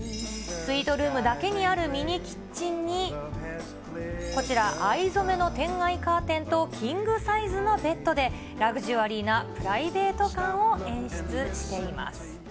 スイートルームだけにあるミニキッチンに、こちら、藍染めの天蓋カーテンと、キングサイズのベッドで、ラグジュアリーなプライベート感を演出しています。